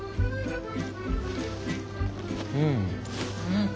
うん！